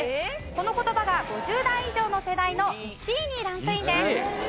この言葉が５０代以上の世代の１位にランクインです。